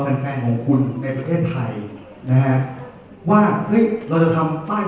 แฟนแทนของคุณในประเทศไทยนะฮะว่าเฮ้ยเราจะทำป้าย